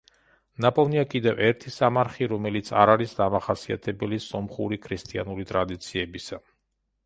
ნაპოვნია კიდევ ერთი სამარხი, რომელიც არ არის დამახასიათებელი სომხური ქრისტიანული ტრადიციებისა.